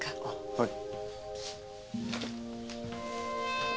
はい。